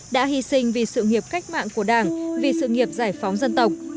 đã hy sinh vì sự nghiệp cách mạng của đảng vì sự nghiệp giải phóng dân tộc